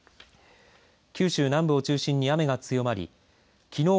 九州南部を中心に雨が強まりきのう